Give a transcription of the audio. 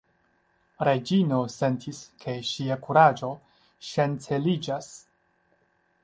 Reĝino sentis, ke ŝia kuraĝo ŝanceliĝas.